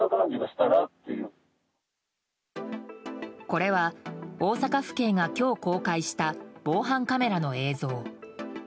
これは大阪府警が今日公開した防犯カメラの映像。